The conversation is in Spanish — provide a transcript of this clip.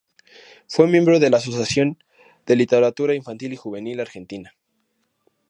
Fue miembro de la "Asociación de Literatura Infantil y Juvenil Argentina".